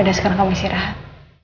udah sekarang kamu isi rahat